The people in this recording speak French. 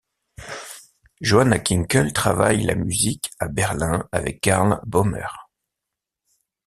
Johanna Kinkel travaille la musique à Berlin avec Karl Böhmer.